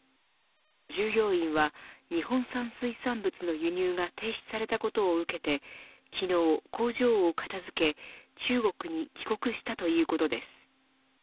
従業員は日本産水産物の輸入が停止されたことを受けて昨日、工場を片付け中国に帰国したということです。